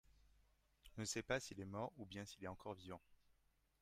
on ne sait pas s'il est mort ou bien s'il est encore vivant.